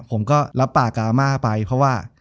ผมก็รับปากกาอาม่าไปเพราะว่า